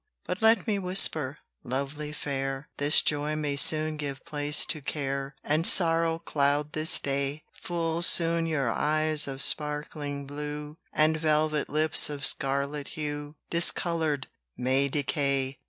But let me whisper, lovely fair, This joy may soon give place to care, And sorrow cloud this day; Full soon your eyes of sparkling blue, And velvet lips of scarlet hue, Discoloured, may decay.